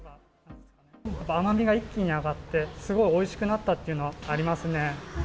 甘みが一気に上がって、すごいおいしくなったというのはありますね。